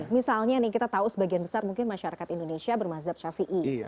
misalnya kita tahu sebagian besar mungkin masyarakat indonesia bermadhab syafi'i